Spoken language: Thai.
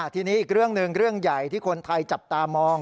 ทีนี้อีกเรื่องหนึ่งเรื่องใหญ่ที่คนไทยจับตามอง